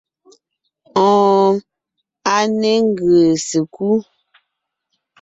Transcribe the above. Oon, a ne ńgèè sekú.